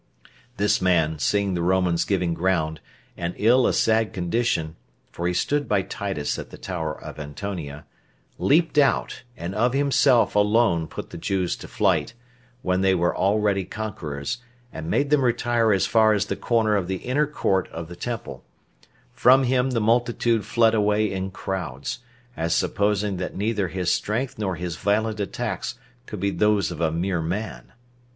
This man, seeing the Romans giving ground, and in a sad condition, [for he stood by Titus at the tower of Antonia,] leaped out, and of himself alone put the Jews to flight, when they were already conquerors, and made them retire as far as the corner of the inner court of the temple; from him the multitude fled away in crowds, as supposing that neither his strength nor his violent attacks could be those of a mere man.